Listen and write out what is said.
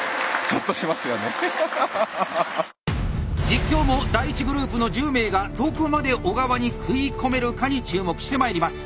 実況も第１グループの１０名がどこまで小川に食い込めるかに注目してまいります。